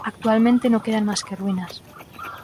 Actualmente no quedan más que ruinas.